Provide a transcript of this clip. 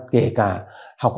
kể cả các trường ngoài công an